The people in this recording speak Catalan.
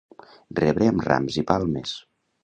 Rebre amb rams i palmes.